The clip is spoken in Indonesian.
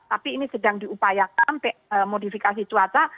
tapi ini sedang diupayakan modifikasi cuaca